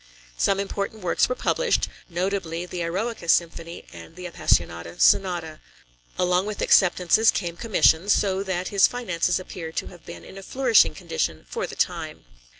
Some important works were published, notably the Eroica Symphony and the Appassionata Sonata. Along with acceptances came commissions, so that his finances appear to have been in a flourishing condition for the time.